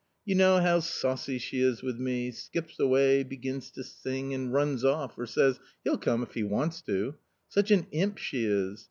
You know how saucy she is with me, skips away, begins to sing, and runs off or says, ' He'll come, jjf he wants to !' such an imp she is